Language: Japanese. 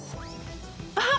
あっ！